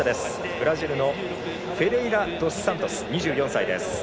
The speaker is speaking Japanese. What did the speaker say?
ブラジルのフェレイラドスサントス２４歳です。